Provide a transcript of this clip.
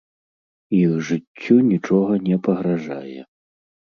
Іх жыццю нічога не пагражае.